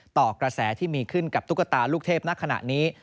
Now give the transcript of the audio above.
ต่อกระแสที่มีขึ้นกับตุ๊กตาลูกเทพณขณะนี้